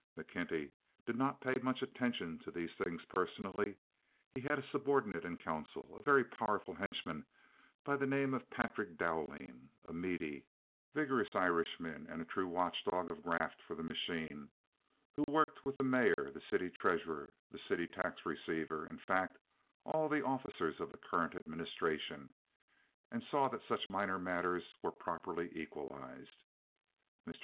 McKenty did not pay much attention to these things personally. He had a subordinate in council, a very powerful henchman by the name of Patrick Dowling, a meaty, vigorous Irishman and a true watch dog of graft for the machine, who worked with the mayor, the city treasurer, the city tax receiver—in fact, all the officers of the current administration—and saw that such minor matters were properly equalized. Mr.